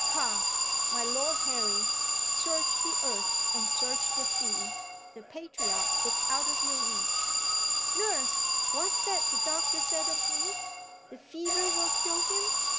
Ha, my Lord Harry, search the earth and search the sea, the patriot is out of your reach! Nurse! What's that the doctor said of me? The fever will kill him?